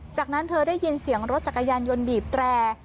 จากนั้นเธอได้ยินเสียงรถจักรยานยนต์บีบแตร